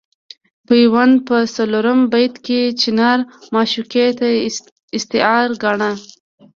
پیوند په څلورم بیت کې چنار معشوقې ته استعاره ګاڼه.